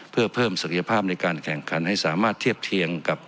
เพื่อเพิ่มศักยภาพในการแข่งขันให้สามารถเทียบเคียงกับ